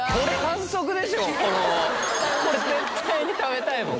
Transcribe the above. このこれ絶対に食べたいもん。